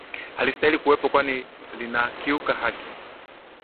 halistahili kuwepo kwani linakiuka haki